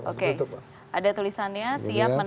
oke ada tulisannya